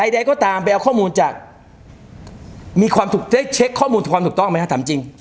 ใดก็ตามไปเอาข้อมูลจากมีความสุขได้เช็คข้อมูลความถูกต้องไหมฮะถามจริง